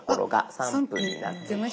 ３分になってました。